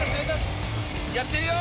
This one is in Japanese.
やってるよ！